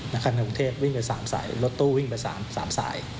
นาคารกรุงเทพฯวิ่งไป๓สายรถโต๊ะวิ่งไป๓สาย